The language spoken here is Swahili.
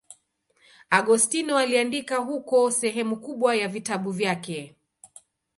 Agostino aliandika huko sehemu kubwa ya vitabu vyake.